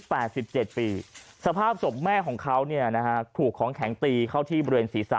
แปดสิบเจ็ดปีสภาพศพแม่ของเขาเนี่ยนะฮะถูกของแข็งตีเข้าที่บริเวณศีรษะ